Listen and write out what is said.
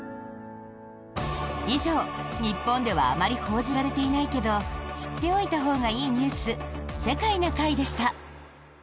以上、日本ではあまり報じられていないけど知っておいたほうがいいニュース「世界な会」でした。